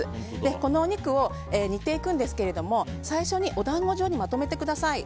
このお肉を煮ていくんですが最初にお団子状にまとめてください。